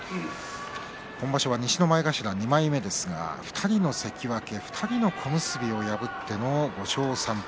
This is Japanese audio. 今場所、西の前頭２枚目ですが２人の関脇、２人の小結を破っての５勝３敗。